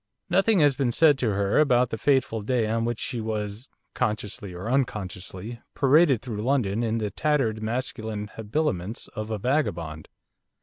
Nothing has been said to her about the fateful day on which she was consciously or unconsciously paraded through London in the tattered masculine habiliments of a vagabond.